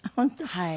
はい。